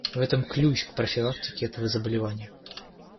В этом ключ к профилактике этого заболевания.